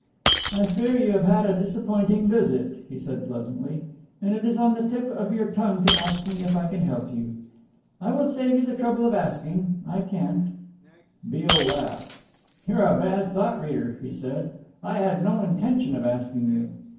"I fear you have had a disappointing visit," he said pleasantly, "and it is on the tip of your tongue to ask me if I can help you. I will save you the trouble of asking I can't." Beale laughed. "You are a bad thought reader," he said. "I had no intention of asking you."